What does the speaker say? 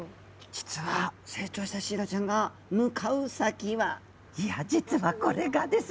実は成長したシイラちゃんが向かう先はいや実はこれがですねまたまた流れ藻なんですね。